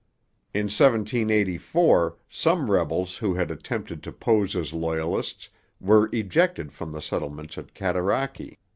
In 1784 some rebels who had attempted to pose as Loyalists were ejected from the settlements at Cataraqui.